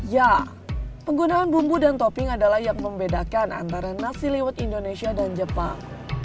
ya penggunaan bumbu dan topping adalah yang membedakan antara nasi liwet indonesia dan jepang